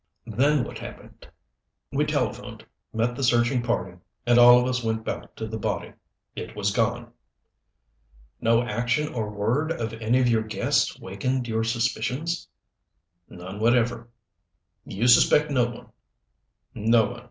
"Then what happened?" "We telephoned, met the searching party, and all of us went back to the body. It was gone." "No action or word of any of your guests wakened your suspicions?" "None whatever." "You suspect no one?" "No one.